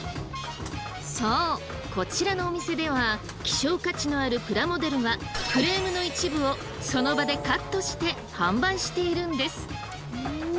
そうこちらのお店では希少価値のあるプラモデルはフレームの一部をその場でカットして販売しているんです！